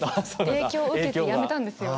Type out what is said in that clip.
影響受けてやめたんですよ。